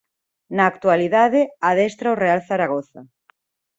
Na actualidade adestra o Real Zaragoza.